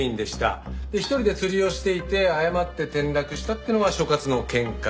１人で釣りをしていて誤って転落したっていうのが所轄の見解。